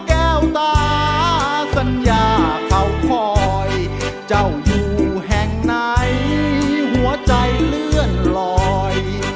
แก้วตาสัญญาเขาคอยเจ้าอยู่แห่งไหนหัวใจเลื่อนลอย